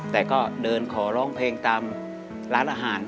แต่ก็เดินขอร้องเพลงตามร้านอาหาร